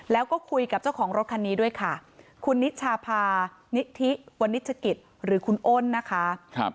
แล้วก็คุยกับเจ้าของรถคันนี้ด้วยค่ะคุณนิชาพานิธิวันนิชกิจหรือคุณอ้นนะคะ